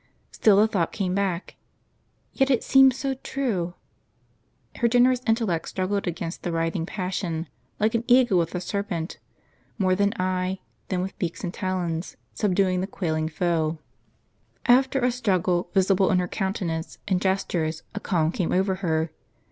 Still the thought came back: "Yet it seems so true !" Her generous intellect struggled against the writhing passion, like an eagle with a serpent; more with eye, than with beak and talons, subduing the quailing foe. After a struggle, visible in her countenance and gestures, a calm came over her.